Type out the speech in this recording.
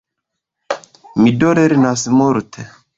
Mi do lernas multe.